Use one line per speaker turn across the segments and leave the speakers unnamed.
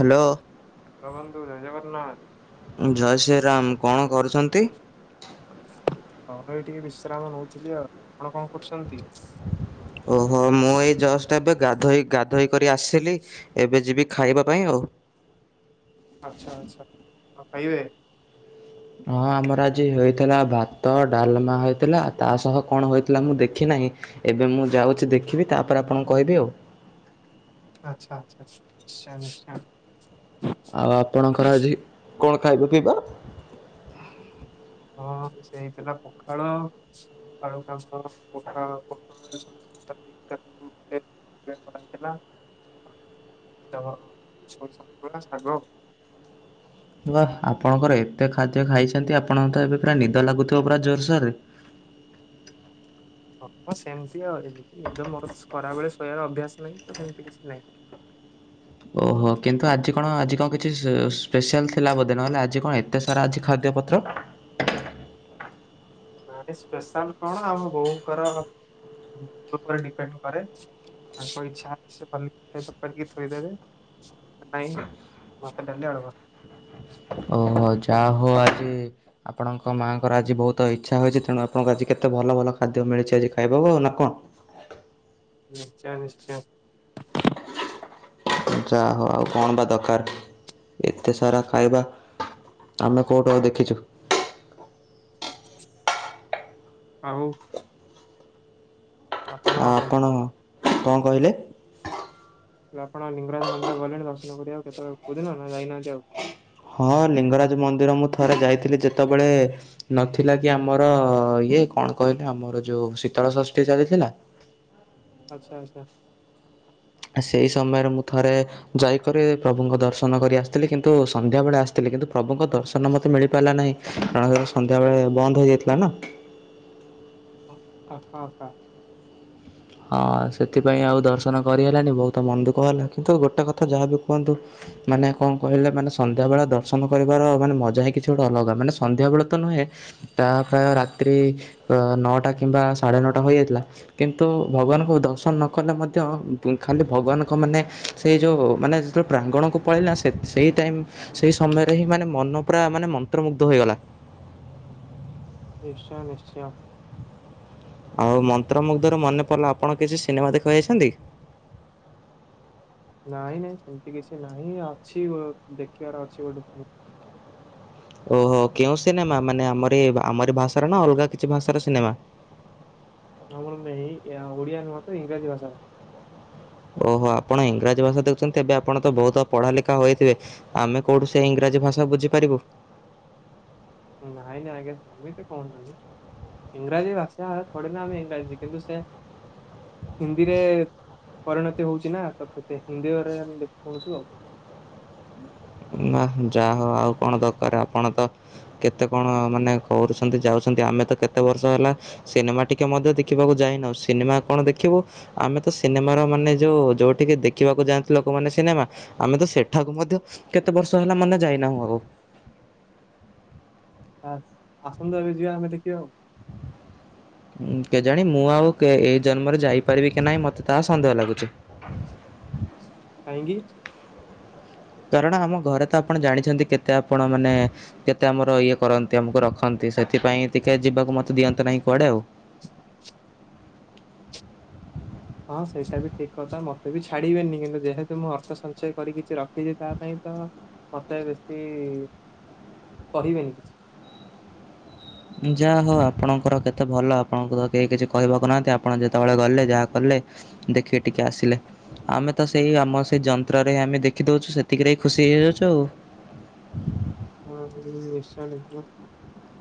Hello.
ହଁ ବନ୍ଧୁ ଜୟ ଜଗନ୍ନାଥ।
ଜୟ ଶ୍ରୀରାମ କଣ କରୁଛନ୍ତି?
ହଁ ଭାଇ ଟିକେ ବିଶ୍ରାମ ନଉଥିଲି ଆଉ ଆପଣ କଣ କରୁଛନ୍ତି?
ଓହୋ ମୁଁ ଏଇ ଜଷ୍ଟ ଏବେ ଗାଧୋଇ ଗାଧୋଇ କରି ଆସିଲି ଏବେ ଯିବି ଖାଇବା ପାଇଁ ଆଉ।
ଆଛା ଆଛା ଖାଇିବେ?
ହଁ ଆମର ଆଜି ହେଇଥିଲା ଭାତ ଡାଲମା ହେଇଥିଲା ତା ସହ କଣ ହେଇଥିଲା ମୁଁ ଦେଖି ନାହିଁ ଏବେ ମୁଁ ଯାଉଛି ଦେଖିବି ତାପରେ ଆପଣଙ୍କୁ କହିବି ଆଉ।
ଆଛା ଆଛା ନିଶ୍ଚୟ ନିଶ୍ଚୟ
ଆଉ ଆପଣଙ୍କର ଆଜି କଣ ଖାଇବ ପିଇବା?
ହଁ ସେ ହେଇଥିଲା ପଖାଳ ପଖାଳକୁ ଆଳୁ [unintelligible] କରା ହେଇଥିଲା [unintelligible] ସୋରିଷ ଶାଗ
ୱା ଆପଣଙ୍କର ଏତେ ଖାଦ୍ୟ ଖାଇଛନ୍ତି ଆପଣଙ୍କ ତ ଏବେ ପୁରା ନିଦ ଲାଗୁଥିବ ପୁରା ଜୋରସୋରରେ
ହଁ ସେମିତି ଆଉ ଏମିତି ନିଦ ମୋର ଖରାବେଳେ ଶୋଇବାର ଅଭ୍ୟାସ ନାହିଁ ତ ସେମିତି କିଛି ନାହିଁ।
ଓହୋ କିନ୍ତୁ ଆଜି କଣ ଆଜି କଣ କିଛି ଅ ସ୍ପେଶାଲ ଥିଲା ବୋଧେ ନହଲେ ଆଜି କଣ ଏତେ ସାରା ଆଜି ଖାଦ୍ୟ ପତ୍ର।
ନାଇଁ ସ୍ପେଶାଲ କଣ ଆମ ବୋଉଙ୍କର ମୁଡ଼ ଉପରେ ଡିପେଣ୍ଡ କରେ ତାଙ୍କ ଇଚ୍ଛା ହେଲେ ସେ ଭଲ କରିକି ଥୋଇଦେବେ ନହେଲେ ନାଇଁ ଭାତ, ଡାଲି, ଆଳୁ ଭର୍ତା।
ଓହୋ ଯା ହଉ ଆଉ ଆଜି ଆପଣଙ୍କ ମାଆଙ୍କର ଆଜି ବହୁତ ଇଚ୍ଛା ହୋଇଛି ତେଣୁ ଆପଣଙ୍କୁ ଆଜି କେତେ ଭଲ ଭଲ ଖାଦ୍ୟ ମିଳିଛି ଆଜି ଖାଇବାକୁ ଆଉ ନା କଣ?
ନିଶ୍ଚୟ ନିଶ୍ଚୟ।
ଯାହା ହଉ ଆଉ କଣ ବା ଦରକାର ଏତେ ସାରା ଖାଇବା ଆମେ କୋଉଠୁ ଆଉ ଦେଖିଛୁ।
ଆଉ।
ଆଉ ଆପଣ କଣ କହିଲେ?
ତାହେଲେ ଆପଣ ଲିଙ୍ଗରାଜ ମନ୍ଦିର ଗଲେଣି ଦର୍ଶନ ଦର୍ଶନ କରିବାକୁ କେତେବେଳ ନା କଉଦିନ ନା ଯାଇନାହାନ୍ତି ଆଉ?
ହଁ ଲିଙ୍ଗରାଜ ମନ୍ଦିର ମୁଁ ଥରେ ଯାଇଥିଲି ଯେତେବେଳେ ନଥିଲା କି ଆମର ଇଏ କଣ କହିଲେ ଆମର ଯୋଉ ଶୀତଳ ଷଷ୍ଠୀ ଚାଲିଥିଲା।
ଆଚ୍ଛା ଆଚ୍ଛା।
ସେଇ ସମୟରେ ମୁଁ ଥରେ ଯାଇକରି ପ୍ରଭୁଙ୍କ ଦର୍ଶନ କରି ଆସିଥିଲି କିନ୍ତୁ ସନ୍ଧ୍ୟା ବେଳେ ଆସିଥିଲି କିନ୍ତୁ ପ୍ରଭୁଙ୍କ ଦର୍ଶନ ମତେ ମିଳିପାରିଲା ନାହିଁ କାରଣ ସନ୍ଧ୍ୟାବେେଳେ ବନ୍ଦ ହେଇଯାଇଥିଲା ନା।
ଆଚ୍ଛା ଆଚ୍ଛା।
ହଁ ସେଥିପାଇଁ ଆଉ ଦର୍ଶନ କରିହେଲାନି ବହୁତ ମନ ଦୁଃଖ ହେଲା କିନ୍ତୁ ଗୋଟେ କଥା ଯାହାବି କୁହନ୍ତୁ ମାନେ କଣ କହିଲେ ମାନେ ସନ୍ଧ୍ୟାବେଳେ ଦର୍ଶନ କରିବାର ମାନେ ମଜା ହିଁ କିଛି ଗୋଟେ ଅଲଗା ମାନେ ସନ୍ଧ୍ୟାବେଳେ ତ ନୁହେଁ ସେଟା ପ୍ରାୟ ରାତ୍ରି ନଅଟା କିମ୍ବା ସାଢ଼େ ନଅଟା ହୋଇଯାଇଥିଲା କିନ୍ତୁ ତ ଭଗବାନଙ୍କୁ ଦର୍ଶନ ନ କଲେ ମଧ୍ୟ ଖାଲି ଭଗବାନଙ୍କ ମାନେ ସେଇ ଯୋଉ ମାନେ ଯେତେବେଳେ ପ୍ରାଙ୍ଗଣକୁ ପଳେଇଲା ସେଇ ଟାଇମ ସେଇ ସମୟରେ ହିଁ ମାନେ ମନ ପୁରା ମାନେ ମନ୍ତ୍ରମୁଗ୍ଧ ହେଇଗଲା।
ନିଶ୍ଚୟ ନିଶ୍ଚୟ।
ଆଉ ମନ୍ତ୍ରମୁୁଗ୍ଧରୁ ମନେ ପଡିଲା ଆପଣ କିଛି ସିନେମା ଦେଖବାକୁ ଯାଇଛନ୍ତି?
ନାଇଁ ନାଇଁ ସେମିତି କିଛି ନାହିଁ ଅଛି ଦେଖିବାର ଅଛି ଗୋଟେ ଫିଲ୍ମ।
ଓହୋ କେଉଁ ସିନେମା ମାନେ ଆମରି ଆମରି ଭାଷାର ନା ଅଲଗା କିଛି ଭାଷାର ସିନେମା?
ଆମର ନାହିଁ ଓଡ଼ିଆ ନୁହ ତ ଇଂରାଜୀ ଭାଷା।
ଓହୋ ଆପଣ ଇଂରାଜୀ ଭାଷା ଦେଖୁଛନ୍ତି ଏବେ ଆପଣ ତ ବହୁତ ପଢା ଲେଖା ହୋଇଥିବେ ଆମେ କୋଉଠୁ ସେ ଇଂରାଜୀ ଭାଷା ବୁଝିପାରିବୁ।
ନାଇଁ ନାଇଁ ଆଜ୍ଞା ସେମିତି କୁହନ୍ତୁନି ଇଂରାଜୀ ଭାଷା ଥୋଡି ନା ଆମେ ଇଂରାଜୀ କିନ୍ତୁ ସେ ହିନ୍ଦୀରେ ପରିଣତି ହଉଛି ନା ତ ସେ ହିନ୍ଦୀରେ ଦେଖୁ ଶୁଣୁଛୁ ଆଉ।
ବା ଯାହା ହ ଆଉ କଣ ଦରକାର ଆପଣ ତ କେତେ କଣ ମାନେ କରୁଛନ୍ତି ଯାଉଛନ୍ତି ଆମେ ତ କେତେ ବର୍ଷ ହେଲା ସିନେମା ଟିକେ ମଧ୍ୟ ଦେଖିବାକୁ ଯାଇନାହୁଁ ସିନେମା କଣ ଦେଖିବୁ ଆମେ ତ ସିନେମାର ମାନେ ଯୋଉ ଯୋଉଠିକି ଦେଖିବାକୁ ଯାଆନ୍ତି ଲୋକମାନୋନ ସିନେମା ଆମେ ତ ସେଠାକୁ ମଧ୍ୟ କେତେ ବର୍ଷ ହେଲା ମାନେ ଯାଇନାହୁଁ ଆଉ।
ସାର୍ ଆସନ୍ତୁ ଏବେ ଯିବା ଆମେ ଦେଖିବା ଆଉ।
ହୁଁ କେଜାଣ ମୁଁ ଆଉ ଏଇ ଜନ୍ମରେ ଯାଇପାରିବି କି ନାହିଁ ମତେ ତାହା ସନ୍ଦେହ ଲାଗୁଛି।
କାହିଁକି?
କାରଣ ଆମ ଘରେ ତ ଆପଣ ଜାଣିଛନ୍ତି କେତେ ଆପଣ ମାନେ କେତେ ଆମର ଇଏ କରନ୍ତି ଆମକୁ ରଖନ୍ତି ସେଥିପାଇଁ ଟିକେ ଯିବାକୁ ମତେ ଦିଅନ୍ତୁ ନାହିଁ କୁଆଡେ ଆଉ।
ହଁ ସେଇଟା ବି ଠିକ କଥା ମତେ ବି ଛାଡିବେନି କିନ୍ତୁ ଯେହେତୁ ମୁଁ ଅର୍ଥ ସଞ୍ଚୟ କରି କିଛି ରଖିଛି ତା ପାଇଁ ତ ମତେ ବେଶୀ କହିବେନି କିଛି।
ଯାହା ହଉ ଆପଣଙ୍କର କେତେ ଭଲ ଆପଣଙ୍କୁ ତ କେହି କିଛି କହିବାକୁ ନାହାନ୍ତି ଆପଣ ଯେତେବେଳେ ଗଲେ ଯାହା କଲେ ଦେଖିକି ଟିକେ ଆସିଲେ। ଆମେ ତ ସେଇ ଆମ ସେଇ ଯନ୍ତ୍ରରେ ହିଁ ଆମେ ଦେଖିଦଉଛୁ ସେତିକିରେ ହଁ ଖୁସି ହେଇଯାଉଛୁ ଆଉ।
ହଁ ନିଶ୍ଚୟ ନିଶ୍ଚୟ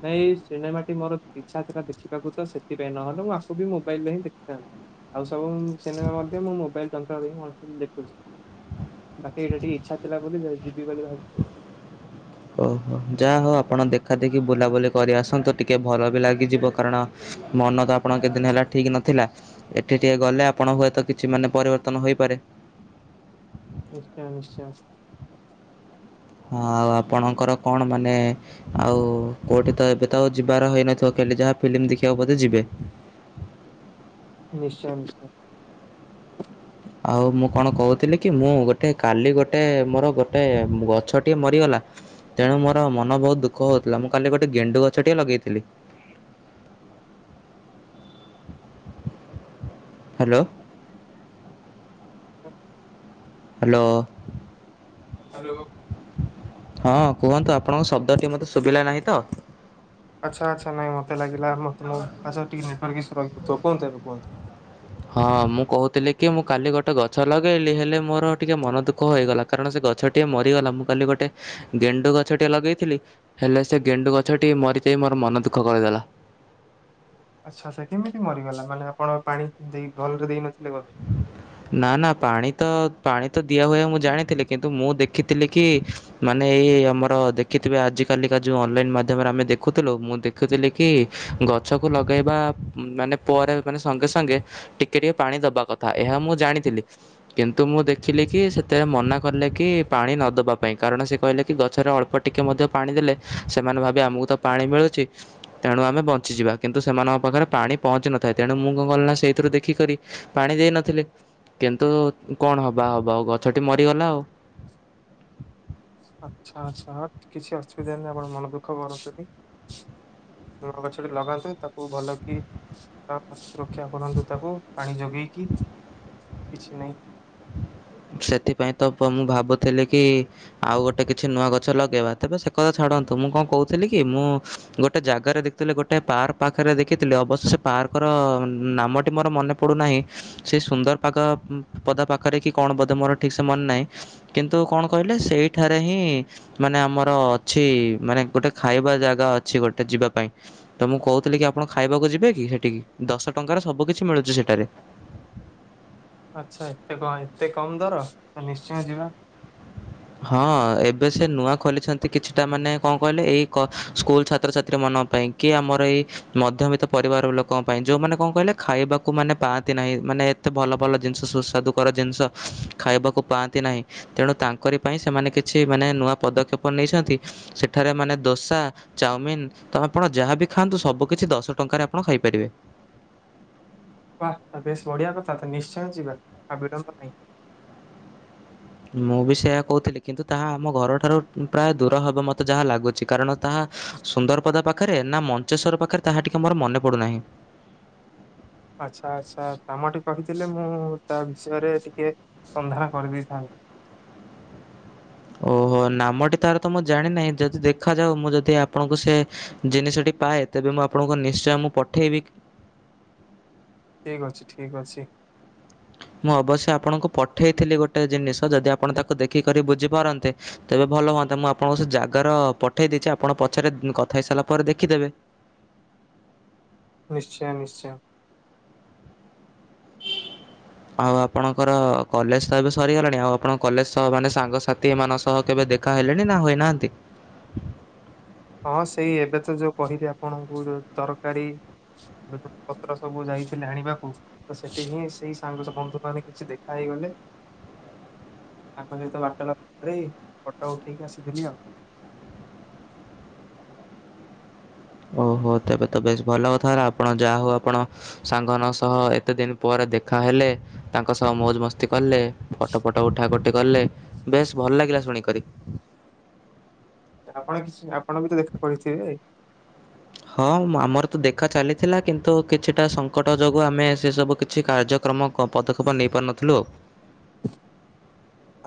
ନାଇଁ ଏହି ସିନେମାଟି ମୋର ଇଚ୍ଛା ଥିଲା ଦେଖିବାକୁ ତ ସେଥିପାଇଁ ନହେଲେ ମୁଁ ଆକୁ ବି ମୋବାଇଲରେ ହିଁ ଦେଖିଥାନ୍ତି ଆଉ ସବୁ ସିନେମା ମଧ୍ୟ ମୁଁ ମୋବାଇଲ ତାଙ୍କ ଆଡେ ହିଁ ମୁଁ [unintelligible] ଦେଖୁଛି, ବାକି ଏଇଟା ଟିକେ ଇଚ୍ଛା ଥିଲା ବୋଲି ଯାଇ ଯିବି ବୋଲି ଭାବିଛି ଆ
ଓହୋ ଯାହା ହଉ ଆପଣ ଦେଖା ଦେଖି ବୁଲା ବୁଲି କରି ଆସନ୍ତୁ ଟିକେ ଭଲ ବି ଲାଗିଯିବ କାରଣ ମନ ତ ଆପଣଙ୍କ କେତେ ଦିନ ହେଲା ଠିକ୍ ନଥିଲା, ଏଠି ଟିକେ ଗଲେ ଆପଣ ହୁଏତ କିଛି ମାନେ ପରିବର୍ତ୍ତନ ହେଇପାରେ।
ନିଶ୍ଚୟ ନିଶ୍ଚୟ।
ହଁ ଆଉ ଆପଣଙ୍କର କଣ ମାନେ ଏ ଆଉ ଉ କୋଉଠି ତ ଏବେ ତ ଆଉ ଯିବାର ହୋଇନଥିବ କାଲି ଯାହା ଫିଲ୍ମ ଦେଖିଆକୁ ବୋଧେ ଯିବେ।
ନିଶ୍ଚୟ ନିଶ୍ଚୟ।
ଆଉ ମୁଁ କଣ କହୁଥିଲି କି, ମୁଁ ଗୋଟେ କାଲି ଗୋଟେ ମୋର ଗୋଟେ ଗଛଟିଏ ମରିଗଲା ତେଣୁ ମୋର ମନ ବହୁତ ଦୁଃଖ ହଉଥିଲା ମୁଁ କାଲି ଗୋଟେ ଗେଣ୍ଡୁ ଗଛଟିଏ ଲଗେଇଥିଲି। ହାଲୋ।
ହୁଁ।
ହାଲୋ।
ହାଲୋ।
ହଁ କୁହନ୍ତୁ ଆପଣଙ୍କ ଶବ୍ଦ ଟିକେ ମୋତେ ଶୁଭିଲା ନାହିଁ ତ।
ଆଚ୍ଛା ଆଚ୍ଛା ନାଇ ମତେ ଲାଗିଲା ମତେ ମୋ [unintelligible] ତ କହନ୍ତୁ ଏବେ କୁହନ୍ତୁ।
ହଁ ମୁଁ କହୁଥୁଲି କି ମୁଁ କାଲି ଗୋଟେ ଗଛ ଲଗେଇଲି ହେଲେ ମୋର ଟିକେ ମନ ଦୁଃଖ ହୋଇଗଲା କାରଣ ସେ ଗଛଟିଏ ମରିଗଲା। ମୁଁ କାଲି ଗୋଟେ ଗେଣ୍ଡୁ ଗଛ ଟିକେ ଲଗେଇଥିଲି ହେଲେ ସେ ଗେଣ୍ଡୁ ଗଛଟି ମରି ଯାଇ ମୋର ମନ ଦୁଃଖ କରିଦେଲା।
ଆଚ୍ଛା ସେ କେମିତି ମରିଗଲା ମାନେ ଆପଣ ପାଣି ଦେଇ ଭଲରେ ଦେଇନ
ନା ନା ପାଣି ତ ପାଣି। ତ ଦିଆ ହୁଏ ମୁଁ ଜାଣିଥିଲି କିନ୍ତୁ ମୁଁ ଦେଖିଥିଲି କି ଇ ମାନେ ଏ ଆମର ଦେଖିଥିବେ ଆଜିକାଲି କା ଯୋଉ ଅନଲାଇନ ମାଧ୍ୟମରେ ଆମେ ଦେଖୁଥୁଲୁ ମୁଁ ଦେଖୁଥିଲି କି ଗଛକୁ ଲଗେଇବା ଆ ମାନେ ପରେ ମାନେ ସଙ୍ଗେ ସାଙ୍ଗେ ଟିକେ ଟିକେ ପାଣି ଦେବା କଥା ଏହା ମୁଁ ଜାଣିଥିଲି କିନ୍ତୁ ମୁଁ ଦେଖିଲି କି ସେତେଳେ ମନା କଲେ କି ପାଣି ନ ଦେବା ପାଇଁ କାରଣ ସେ କହିଲେ କି ଗଛରେ ଅଳ୍ପ ଟିକେ ମଧ୍ୟ ପାଣି ଦେଲେ ସେମାନେ ଭାବିବେ ଆମକୁ ତ ପାଣି ମିଳୁଚି ତେଣୁ ଆମେ ବଞ୍ଚିଯିବା କିନ୍ତୁ ସେମାନଙ୍କ ପାଖରେ ପାଣି ପହଞ୍ଚିି ନଥାଏ ତେଣୁ ମୁଁ କଣ କଲି ନା ସେଇଥିରୁ ଦେଖିକରି ପାଣି ଦେଇ ନଥିଲି କିନ୍ତୁ କଣ ହବା ହବ ଆଉ ଗଛଟି ମରିଗଲା ଆଉ।
ଆଚ୍ଛା ଆଚ୍ଛା ହଟ୍ କିଛି ଅସୁବିଧା ନାହିଁ ଆପଣ ମନ ଦୁଃଖ କରନ୍ତୁନି ଗଛଟି ଲଗାନ୍ତୁ ତା ଖୁବ୍ ଭଲ କି ଆ ସୁରକ୍ଷା କରନ୍ତୁ ତାକୁ ପାଣି ଯୋଗେଇକି। କିଛି ନାହିଁ।
ସେଥିପାଇଁ ତ ପ ମୁଁ ଭାବୁଥିଲି କି ଇ ଆଉ ଗୋଟେ କିଛି ନୂଆ ଗଛ ଲଗେଇବା। ତେବେ ସେ କଥା ଛାଡ଼ନ୍ତୁ ମୁଁ କଣ କହୁଥିଲି କି ମୁଁ ଗୋଟେ ଜାଗାରେ ଦେଖିଥିଲି ଗୋଟେ ପାର୍କ ପାଖରେ ଦେଖିଥିଲି ଅବଶ୍ୟ ପାର୍କ ର ଅ ନାମଟି ମୋର ମନେ ପଡୁନାହିଁ ସେ ସୁନ୍ଦର ପାଗ ମ୍ ପଦା ପାଖରେ କି କଣ ବୋଧେ ମୋର ଠିକ୍ ସେ ମନେ ନାହିଁ। କିନ୍ତୁ କଣ କହିଲେ ସେଇଠାରେ ହିଁ ମାନେ ଆମର ଅଛି ଇ ମାନେ ଗୋଟେ ଖାଇବା ଜାଗା ଅଛି ଗୋଟେ ଯିବା ପାଇଁ ତ ମୁଁ କହୁଥିଲି କି ଆପଣ ଖାଇବାକୁ ଯିବେ କି? ସେଠିକି ଦଶ ଟଙ୍କାର ସବୁ କିଛି ମିଳୁଛି ସେଠାରେ।
ଆଚ୍ଛା ଏତେ କ ଏତେ କମ୍ ଦର ନିଶ୍ଚୟ ଯିବା।
ହଁ ଏବେ ସେ ନୂଆ ଖୋଲିଛନ୍ତି କିଛିଟା ମାନେ କଣ କହିଲେ ଏଇ କ ସ୍କୁଲ ଛାତ୍ରଛାତ୍ରୀ ମାନଙ୍କ ପାଇଁ କି ଆମର ଏ ମଧ୍ୟବିତ୍ତ ପରିବାର ଲୋକଙ୍କ ପାଇଁ ଯଉଁମାନେ କଣ କହିଲେ ଖାଇବାକୁ ମାନେ ପାଆନ୍ତି ନାହିଁ ମାନେ ଏତେ ଭଲ ଭଲ ଜିନିଷ ସୁସ୍ୱାଦୁକର ଜିନିଷ ଖାଇବାକୁ ପାଆନ୍ତି ନାହିଁ ତେଣୁ ତାଙ୍କରି ପାଇଁ ସେମାନେ କିଛି ମାନେ ନୂଆ ପଦକ୍ଷେପ ନେଇଛନ୍ତି ସେଠାରେ ମାନେ ଦୋସା, ଚାଉମିନ୍ ତ ଆପଣ ଯାହାବି ଖାଆନ୍ତୁ ସବୁ କିଛି ଦଶ ଟଙ୍କାରେ ଆପଣ ଖାଇପାରିବେ।
ୱାହ୍ ପ ବେଶ୍ ବଢିଆ କଥା ତ ନିଶ୍ଚୟ ଯିବା ଆଉ ବିଳମ୍ବ ନାହିଁ।
ମୁଁ ବି ସେୟା କହୁଥିଲି କିନ୍ତୁ ତାହା ଆମ ଘରଠାରୁ ପ୍ରାୟ ଦୂର ହବ ମୋତେ ଯାହା ଲାଗୁଚି କାରଣ ତାହା ସୁନ୍ଦରପଦା ପାଖରେ ନା ମଞ୍ଚେଶ୍ଵର ପାଖରେ ତାହା ଟିକେ ମୋର ମନେ ପଡ଼ୁନାହିଁ।
ଆଚ୍ଛା ଆଚ୍ଛା, ନାମଟି କହିଥିଲେ ମୁଁ ତା ବିଷୟରେ ଟିକେ ସନ୍ଧାନ କରି ଦେଇଥାନ୍ତି।
ଓହୋ ନାମଟି ତାର ତ ମୁଁ ଜାଣିନାହିଁ ଯଦି ଦେଖାଯାଉ ମୁଁ ଯଦି ଆପଣଙ୍କୁ ସେ ଜିନିଷଟି ପାଏ ତେବେ ମୁଁ ଆପଣଙ୍କୁ ନିଶ୍ଚୟ ମୁଁ ପଠେଇବି।
ଠିକ୍ ଅଛି ଠିକ୍ ଅଛି।
ମୁଁ ଅବଶ୍ୟ ଆପଣଙ୍କୁ ପଠେଇଥିଲି ଗୋଟେ ଜିନିଷ। ତ ଯଦି ଆପଣ ତାକୁ ଦେଖିକରି ବୁଝି ପାରନ୍ତେ ତେବେ ଭଲ ହୁଅନ୍ତା ମୁଁ ଆପଣଙ୍କୁ ସେ ଜାଗାର ଅ ପଠେଇ ଦେଇଚି ଆପଣ ପଛରେ କଥା ହେଇ ସାରିଲା ପରେ ଦେଖିଦେବେ।
ନିଶ୍ଚୟ ନିଶ୍ଚୟ।
ଆଉ ଆପଣଙ୍କର ଅ କଲେଜ ତ ଏବେ ସରି ଗଲାଣି ଆଉ ଆପଣଙ୍କ କଲେଜ ସହ ମାନେ ସାଙ୍ଗସାଥି ମାନଙ୍କ ସହ କେବେ ଦେଖା ହେଲେଣି ନା ହୋଇନାହାନ୍ତି?
ହଁ ସେଇ ଏବେ ତ ଯୋଉ କହିଲି ଆପଣଙ୍କୁ ଯୋଉ ତରକାରୀ ପତ୍ର ସବୁ ଯାଇଥିଲି ଆଣିବାକୁ ତ ସେଠି ହିଁ ସେଇ ସାଙ୍ଗ ସହ ବନ୍ଧୁ ମାନେ କିଛି ଦେଖା ହେଇଗଲେ ତାଙ୍କ ସହିତ ବାର୍ତାଳାପ କରି ଫୋଟା ଉଠିଇକି ଆସିଥିଲି ଆଉ।
ଓହୋ ତେବେ ତ ବେଶ ଭଲ କଥା ହେଲା ଆପଣ ଯାହା ହଉ ଆପଣ ସାଙ୍ଗ ମାନଙ୍କ ସହ ଏତେ ଦିନ ପରେ ଦେଖା ହେଲେ ତାଙ୍କ ସହ ମୌଜ ମସ୍ତି କଲେ ଫଟୋ ଫଟୋ ଉଠା ଉଠି କଲେ ବେଶ ଭଲ ଲାଗିଲା। ଶୁଣି କରି।
ଆପଣ କିଛି ଆପଣ ବି ତ ଦେଖା କରିଥିବେ
ହଁ ଆମର ତ ଦେଖା ଚାଲିଥିଲା କିନ୍ତୁ କିଛିଟା ସଙ୍କଟ ଯୋଗୁ ଆମେ ସେ ସବୁ କିଛି କାର୍ଯ୍ୟକ୍ରମ ପଦକ୍ଷେପ ନେଇ ପାରୁନଥିଲୁ ଆଉ।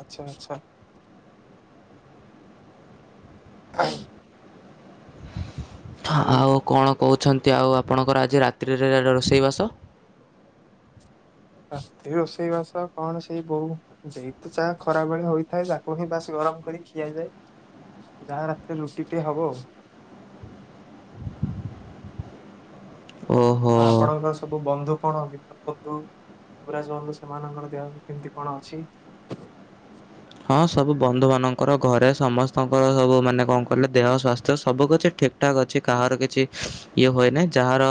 ଆଛା ଆଛା। [unintelligible] ହଉ
[unintelligible] ଆଉ କଣ କହୁଛ ଆଉ ଆପଣଙ୍କର ଆଜି ରାତ୍ରୀରେ ରୋଷେଇବାସ
ରାତିରେ ରୋଷେଇ ବାସ କଣ ସେଇ ବୋଉ ଯତ ଚାହା ଖରା ଭଳିଆ ହୋଇଥାଏ ତାକୁ ହିଁ ବାସି ଗରମ କରି ଖିଆଯାଏ। ଯାହା ରାତିରେ ରୁଟି ଟେ ହବ ଆଉ।
ଓହୋ
ଆପଣଙ୍କ ସବୁ ବନ୍ଧୁ କଣ ବିମଲ ବନ୍ଧୁ ଯୁବରାଜ ବନ୍ଧୁ ସେମାନଙ୍କର ଦେହ କେମିତି କଣ ଅଛି?
ହଁ ସବୁ ବନ୍ଧୁ ମାନଙ୍କର ଘରେ ସମସ୍ତଙ୍କର ସବୁ ମାନେ କଣ କଲେ ଦେହ ସ୍ୱାସ୍ଥ୍ୟ ସବୁ କିଛି ଠିକ ଠାକ୍ ଅଛି। କାହାର କିଛି ଇଏ ହୁଏ ନାହିଁ। ଯାହାର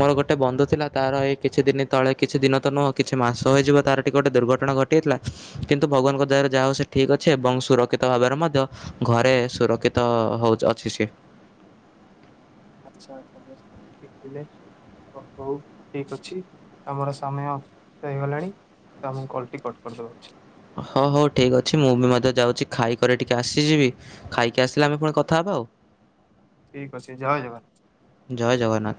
ମୋର ଗୋଟେ ବନ୍ଧୁ ଥିଲା ତାର ଏଇ କିଛି ଦିନ ତଳେ କିଛି ଦିନ ତ ନୁହଁ କିଛି ମାସ ହୋଇ ଯିବ ତାର ଟିକେ ଗୋଟେ ଦୁର୍ଘଟଣା ଘଟିଯାଇଥିଲା। କିନ୍ତୁ ଭଗବାନଙ୍କ ଦୟାରୁ ଯାହା ହଉ ସେ ଠିକ ଅଛି ଏବଂ ସୁରକ୍ଷିତ ଭାବରେ ମଧ୍ୟ ଘରେ ସୁରକ୍ଷିତ ହଉ ଅଛି ସିଏ
ଆଚ୍ଛା ଆଛା ଠିକ ଥିଲେ ହଉ ଠିକ ଅଛି ଆମର ସମୟ ହେଇଗଲାଣି ତ ଆମକୁ କଲ ଟି କଟ କରିଦବା ଉଚିତ୍।
ହଁ ହଉ ଠିକ୍ ଅଛି। ମୁଁ ବି ମଧ୍ୟ ଯାଉଛି ଖାଇକରି ଟିକେ ଆସିଯିବି। ଖାଇକି ଆସିଲେ ଆମେ ପୁଣି କଥାହବା ଆଉ।
ଠିକ ଅଛି ଜୟ ଜଗ
ଜୟ ଜଗନ୍ନାଥ।